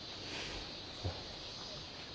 うん。